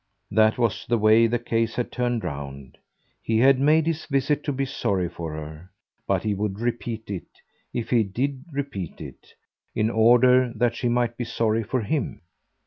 That was the way the case had turned round: he had made his visit to be sorry for her, but he would repeat it if he did repeat it in order that she might be sorry for him.